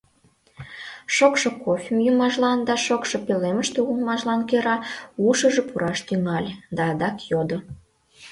Шокшо кофем йӱмыжлан да шокшо пӧлемыште улмыжлан кӧра ушыжо пураш тӱҥале да адак йодо: